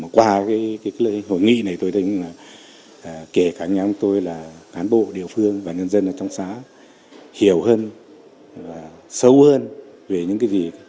qua cái hội nghị này tôi nghĩ là kể cả nhà tôi là cán bộ điều phương và nhân dân trong xã hiểu hơn và sâu hơn về những cái gì